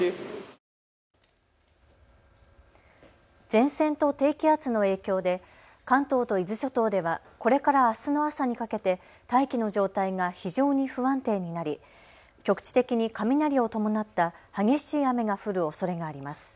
前線と低気圧の影響で関東と伊豆諸島ではこれからあすの朝にかけて大気の状態が非常に不安定になり局地的に雷を伴った激しい雨が降るおそれがあります。